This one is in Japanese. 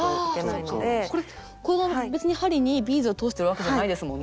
別に針にビーズは通しているわけじゃないですもんね。